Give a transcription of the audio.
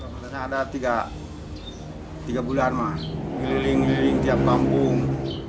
menterinya ada tiga bulan mah ngeliling ngeliling tiap kampung